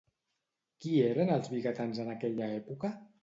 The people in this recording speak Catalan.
Qui eren els vigatans en aquella època?